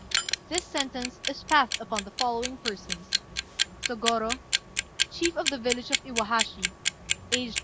"This sentence is passed upon the following persons: "Sôgorô, chief of the village of Iwahashi, aged 48.